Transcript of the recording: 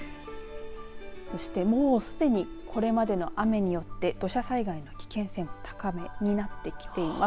そして、もうすでにこれまでの雨によって土砂災害の危険性高めになってきています。